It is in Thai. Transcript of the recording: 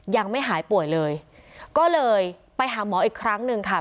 ยังไม่หายป่วยเลยก็เลยไปหาหมออีกครั้งหนึ่งค่ะ